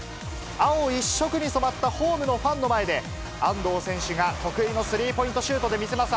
青一色に染まったホームのファンの前で、安藤選手が得意のスリーポイントシュートで見せます。